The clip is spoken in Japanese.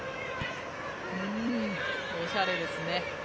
おしゃれですね。